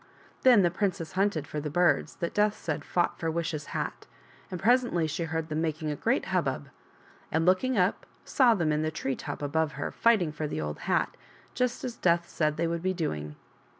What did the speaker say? Then the princess hunted for the birds that Death said fought for Wish's hat, and presently she heard them making a great hubbub, and, looking up, saw them in the tree top above her, fighting for the old hat, just as Death said they would be doing.